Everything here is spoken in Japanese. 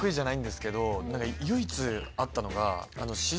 唯一あったのが。